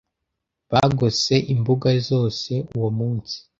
bagose imbuga zose uwo munsi